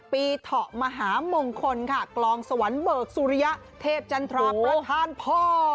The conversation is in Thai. เถาะมหามงคลค่ะกลองสวรรค์เบิกสุริยะเทพจันทราประธานพ่อ